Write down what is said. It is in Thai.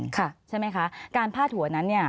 ขอบคุณครับ